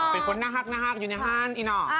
เป็นคนน่าหักอยู่ในฮัน